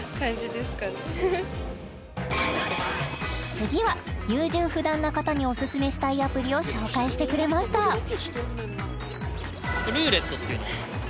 次は優柔不断な方にオススメしたいアプリを紹介してくれましたええ！